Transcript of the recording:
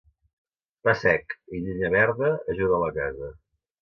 Pa sec i llenya verda ajuden la casa.